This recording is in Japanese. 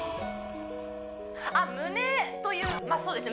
あっ胸というそうですね